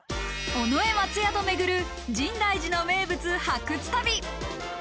尾上松也と巡る深大寺の名物発掘旅。